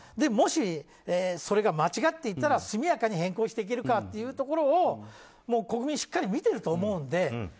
もし、それが間違っていたら速やかに変更していけるかというところを国民はしっかり見てると思うので。